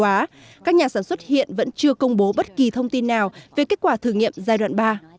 quá các nhà sản xuất hiện vẫn chưa công bố bất kỳ thông tin nào về kết quả thử nghiệm giai đoạn ba